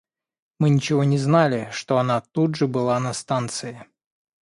Мы ничего не знали, что она тут же была на станции.